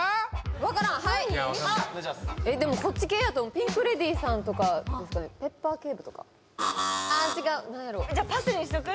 分からんはいでもこっち系やと思うピンク・レディーさんとかですかね「ペッパー警部」とかあっ違う何やろじゃパスにしとく？